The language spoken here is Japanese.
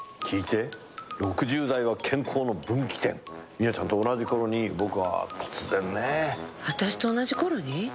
聞いて６０代は健康の分岐点みよちゃんと同じ頃に僕は突然ね私と同じ頃に？